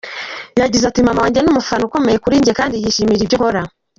Yagize ati “ Mama wanjye ni umufana ukomeye kuri njye kandi yishimira ibyo nkora….